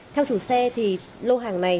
theo chủ xe thì lô hàng này